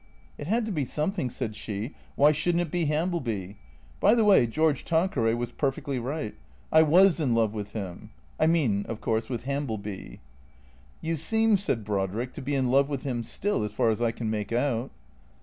" It had to be something," said she. " "V\Tiy should n't it be Hambleby? By the way, George Tanqueray was perfectly right. I was in love with him. I mean, of course, with Ham bleby." " You seem," said Brodrick, " to be in love with him still, as far as I can make out."